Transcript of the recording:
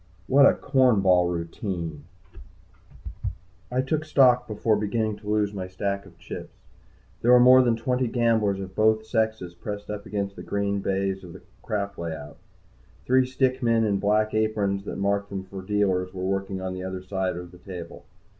What a corn ball routine! I took stock before beginning to lose my stack of chips. There were more than twenty gamblers of both sexes pressed up against the green baize of the crap layout. Three stick men in black aprons that marked them for dealers were working on the other side or the table.